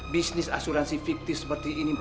bisnis asuransi fiktif seperti ini